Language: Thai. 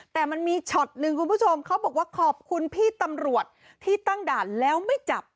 แต่มันมีช็อตหนึ่งคุณผู้ชมเขาบอกว่าขอบคุณพี่ตำรวจที่ตั้งด่านแล้วไม่จับ